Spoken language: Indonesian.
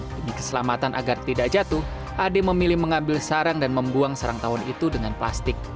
demi keselamatan agar tidak jatuh ade memilih mengambil sarang dan membuang sarang tawon itu dengan plastik